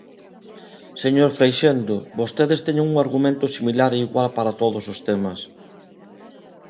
Señor Freixendo, vostedes teñen un argumento similar e igual para todos os temas.